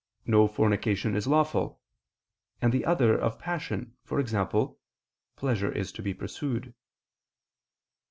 No fornication is lawful, and the other, of passion, e.g. Pleasure is to be pursued.